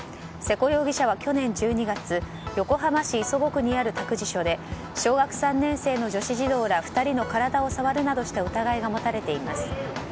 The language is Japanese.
瀬古容疑者は去年１２月横浜市磯子区にある託児所で、小学３年生の女子児童ら２人の体を触るなどした疑いが持たれています。